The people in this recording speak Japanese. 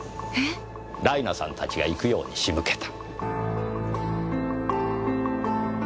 ライナさんたちが行くように仕向けた。